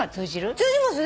通じます